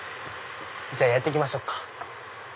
じゃあ焼いて行きましょうか。